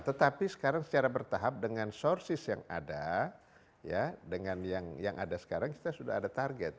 tetapi sekarang secara bertahap dengan sources yang ada dengan yang ada sekarang kita sudah ada target